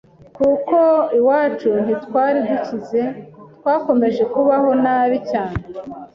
kuko iwacu ntitwari dukize twakomeje kubaho nabi cyane